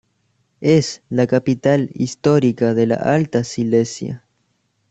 Es la capital histórica de la Alta Silesia.